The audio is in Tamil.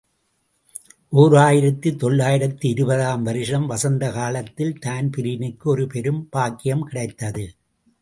ஓர் ஆயிரத்து தொள்ளாயிரத்து இருபது ஆம் வருஷம் வசந்தகாலத்தில் தான்பிரீனுக்கு ஒரு பெரும் பாக்கியம் கிடைத்தது.